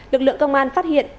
lực lượng công an phát hiện